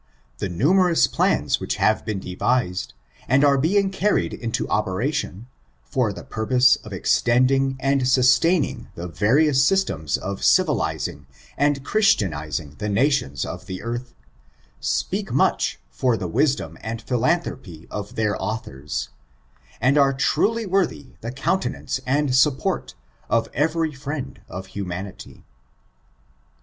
The numerous plans which have been devised, and are being carried into operation, for the purpose of extending and sustaining the various systems of civiliang and Christianizing the nations of the earth, speak much for the wisdom and philanthropy of their authors, and are truly worthy the countenance and support of every friend of humanity.